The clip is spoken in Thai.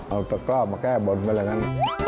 เอาตะกร้าวมาแก้บนไปแล้วนั้น